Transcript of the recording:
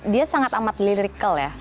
dia sangat amat lilical ya